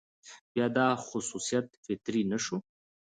بيا دا خصوصيت فطري نه شو،